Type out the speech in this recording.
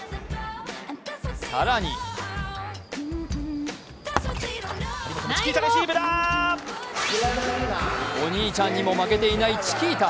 更にお兄ちゃんにも負けていないチキータ。